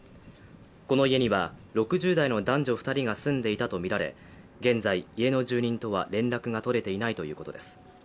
この家には、６０代の男女２人が住んでいたとみられ現在、家の住人とは連絡が取れていないということです。